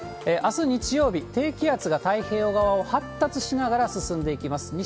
あす日曜日、低気圧が太平洋側を発達しながら進んでいきます。